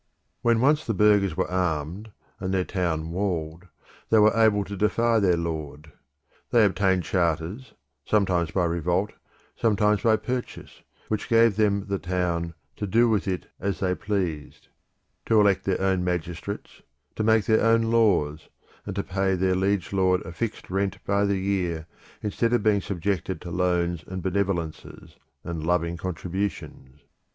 When once the burghers were armed and their town walled they were able to defy their lord. They obtained charters, sometimes by revolt, sometimes by purchase, which gave them the town to do with it as they pleased; to elect their own magistrates, to make their own laws, and to pay their liege lord a fixed rent by the year instead of being subjected to loans and benevolences, and loving contributions.